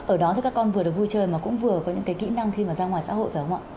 ở đó thì các con vừa được vui chơi mà cũng vừa có những cái kỹ năng khi mà ra ngoài xã hội phải không ạ